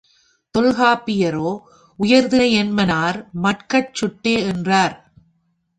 தொல்காப்பியரோ உயர்திணையென்மனார் மக்கட் சுட்டே என்றார்.